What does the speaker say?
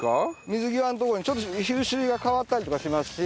水際の所にちょっと品種が変わったりとかしますし。